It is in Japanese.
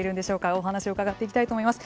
お話を伺っていきたいと思います。